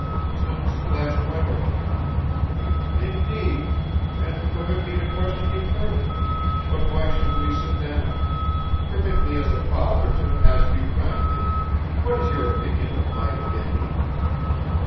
"Since last winter." "Indeed. And permit me to question you further but why shouldn't we sit down? Permit me as a father to ask you frankly: what is your opinion of my Evgeny?"